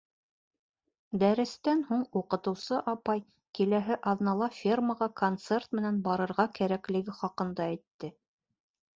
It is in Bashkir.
Дәрестән һуң уҡытыусы апай киләһе аҙнала фермаға концерт менән барырға кәрәклеге хаҡында әйтте.